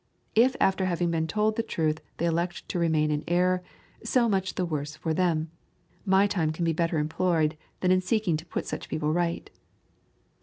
If after having been told the truth they elect to remain in error, so much the worse for them; my time can be better employed than in seeking to put such people right."